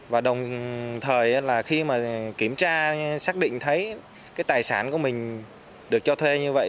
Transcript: và đồng thời là khi mà kiểm tra xác định thấy cái tài sản của mình được cho thuê như vậy